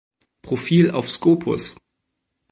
Profil auf Scopus